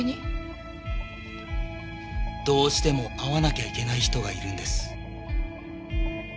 どうしても会わなきゃいけない人がいるんです。